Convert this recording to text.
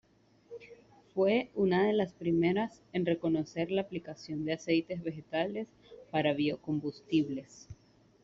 Fue una de las primeras en reconocer la aplicación de aceites vegetales para biocombustibles.